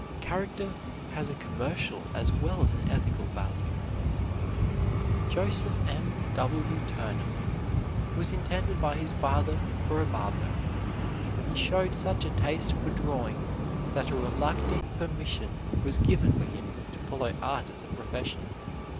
Character has a commercial as well as an ethical value. Joseph M. W. Turner was intended by his father for a barber, but he showed such a taste for drawing that a reluctant permission was given for him to follow art as a profession.